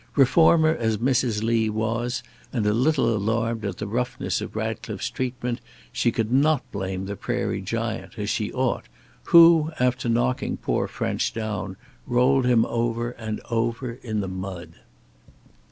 Reformer as Mrs. Lee was, and a little alarmed at the roughness of Ratcliffe's treatment, she could not blame the Prairie Giant, as she ought, who, after knocking poor French down, rolled him over and over in the mud.